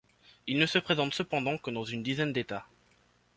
Il ne se présente cependant que dans une dizaine d'États.